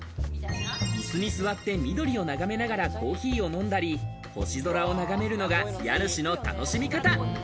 いすに座って緑を眺めながらコーヒーを飲んだり、星空を眺めるのが家主の楽しみ方。